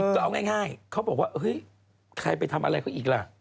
ก็เอาง่ายเขาบอกว่าเฮ้ยใครไปทำอะไรเขาอีกล่ะ